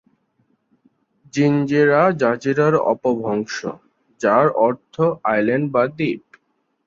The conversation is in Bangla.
জিনজিরা-জাজিরার অপভ্রংশ, যার অর্থ আইল্যান্ড বা দ্বীপ।